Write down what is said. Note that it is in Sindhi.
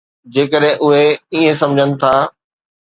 جيڪڏهن اهي ائين سمجهن ٿا.